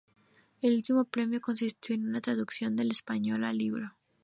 El último premio consistió en una traducción al español del libro.